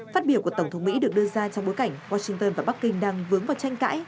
phát biểu của tổng thống mỹ được đưa ra trong bối cảnh washington và bắc kinh đang vướng vào tranh cãi